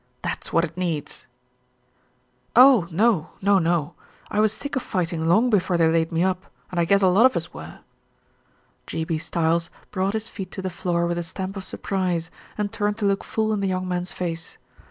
That's what it needs." "Oh, no, no, no. I was sick of fighting, long before they laid me up, and I guess a lot of us were." G. B. Stiles brought his feet to the floor with a stamp of surprise and turned to look full in the young man's face.